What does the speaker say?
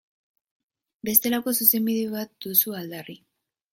Bestelako Zuzenbide bat duzu aldarri.